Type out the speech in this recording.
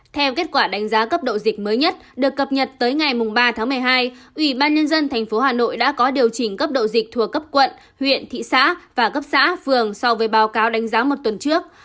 theo kết quả đánh giá cấp độ dịch mới nhất được cập nhật tới ngày ba một mươi hai ubnd tp hà nội đã có điều chỉnh cấp độ dịch thuộc cấp quận huyện thị xã và cấp xã phường so với báo cáo đánh giá một tuần trước